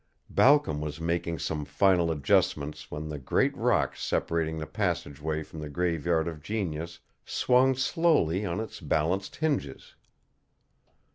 Balcom was making some final adjustments when the great rock separating the passageway from the Graveyard of Genius swung slowly on its balanced hinges.